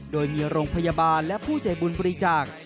โดยมีโรงพยาบาลและผู้ใจบุญบริจาค